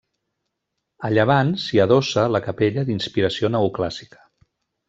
A llevant s'hi adossa la capella d'inspiració neoclàssica.